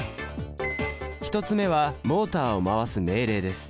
１つ目はモータを回す命令です。